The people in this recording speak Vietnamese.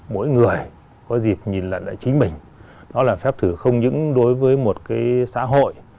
mỗi người có dịp nhìn lại chính mình đó là phép thử không những đối với một cái xã hội